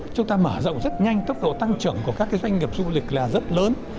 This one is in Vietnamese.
chúng ta mở rộng rất nhanh tốc độ tăng trưởng của các doanh nghiệp du lịch là rất lớn